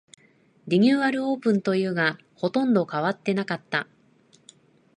リニューアルオープンというが、ほとんど変わってなかった